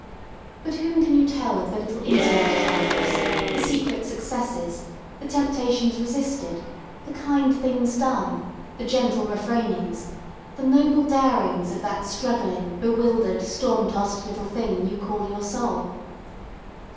But whom can you tell of the little intimate triumphs, the secret successes, the temptations resisted, the kind things done, the gentle refrainings, the noble darings of that struggling, bewildered, storm tossed little thing you call your soul?